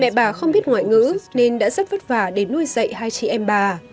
mẹ bà không biết ngoại ngữ nên đã rất vất vả để nuôi dạy hai chị em bà